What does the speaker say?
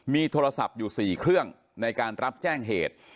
มีโทรศัพท์อยู่๔เครื่องในการรับแจ้งเหตุ